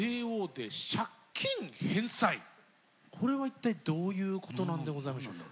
これはいったいどういうことなんでございましょうか？